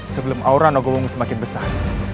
sebelum aura nogowong semakin besar